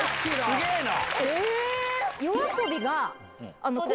すげぇな！